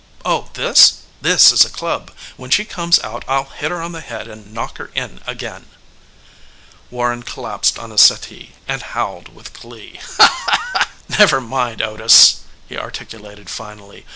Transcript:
Oh, this? This is a club. When she comes out I'll hit her on the head and knock her in again." Warren collapsed on a settee and howled with glee. "Never mind, Otis," he articulated finally.